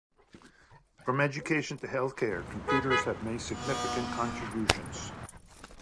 From education to healthcare, computers have made significant contributions.